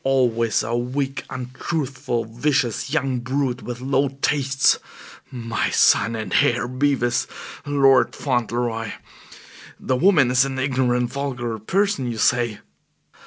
Always a weak, untruthful, vicious young brute with low tastes my son and heir, Bevis, Lord Fauntleroy. The woman is an ignorant, vulgar person, you say?"